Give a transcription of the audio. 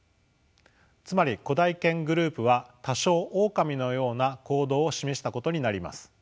つまり古代犬グループは多少オオカミのような行動を示したことになります。